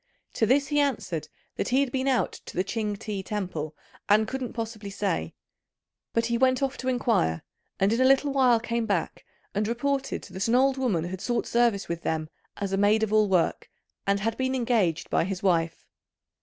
To this he answered that he had been out to the Ch'ing ti temple and couldn't possibly say; but he went off to inquire, and in a little while came back and reported that an old woman had sought service with them as a maid of all work, and had been engaged by his wife.